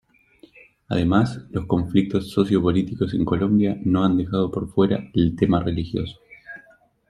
Además los conflictos socio-políticos en Colombia no han dejado por fuera el tema religioso.